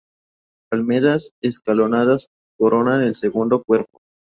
Almenas escalonadas coronan el segundo cuerpo.